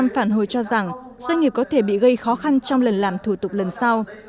một mươi phản hồi cho rằng doanh nghiệp có thể bị gây khó khăn trong lần làm thủ tục lần sau